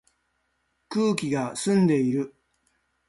空気が澄んでいる